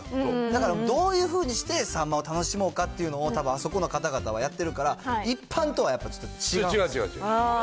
だから、どういうふうにしてサンマを楽しもうかっていうのをたぶんあそこの方々はやってるから、違う、違う。